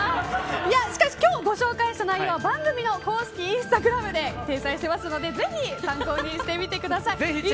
しかし今日ご紹介した内容は番組の公式インスタグラムに掲載しますのでぜひ参考にしてください。